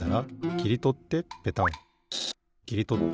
きりとってペタン。